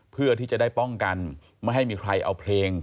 เพื่อที่จะได้ป้องกันไม่ให้มีใครเอาเพลง